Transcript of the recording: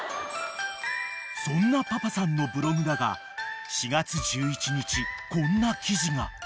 ［そんなパパさんのブログだが４月１１日こんな記事が］